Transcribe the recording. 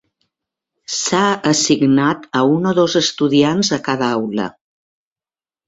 S"ha assignat a un o dos estudiants a cada aula.